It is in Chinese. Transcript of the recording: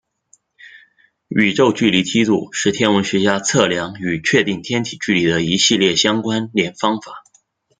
宇宙距离梯度是天文学家测量与确定天体距离的一系列相关联方法。